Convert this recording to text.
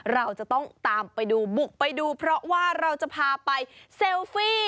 เราจะต้องตามไปดูบุกไปดูเพราะว่าเราจะพาไปเซลฟี่